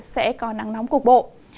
sẽ có nắng nóng cục bộ